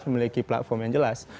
memiliki platform yang jelas